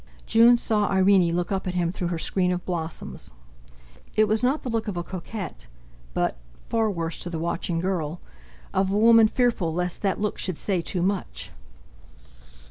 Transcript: June saw Irene look up at him through her screen of blossoms. It was not the look of a coquette, but—far worse to the watching girl—of a woman fearful lest that look should say too much.